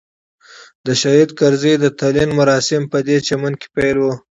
د شهید کرزي د تلین مراسم پدې چمن کې پیل وو.